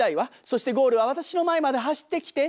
そしてゴールはわたしの前まで走ってきて」。